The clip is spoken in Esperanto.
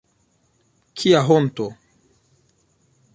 Kia honto!